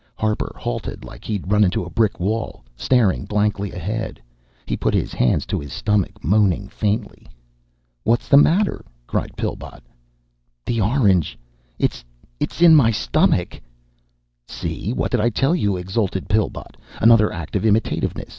Harper halted like he'd run into a brick wall. Staring blankly ahead, he put his hands to his stomach, moaning faintly. "What's the matter?" cried Pillbot. "The orange it's in my stomach!" "See, what did I tell you," exulted Pillbot. "Another act of imitativeness.